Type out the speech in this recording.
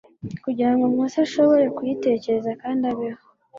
kugira ngo Mose ashobore kuyitegereza kandi abeho.